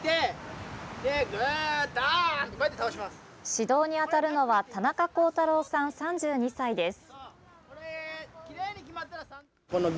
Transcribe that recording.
指導に当たるのは田中幸太郎さん、３２歳です。